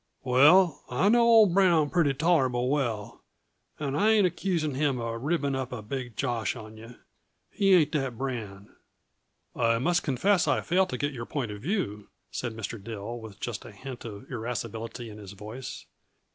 "Well, I know old Brown pretty tolerable well and I ain't accusing him uh ribbing up a big josh on yuh. He ain't that brand." "I must confess I fail to get your point of view," said Mr. Dill, with just a hint of irascibility in his voice.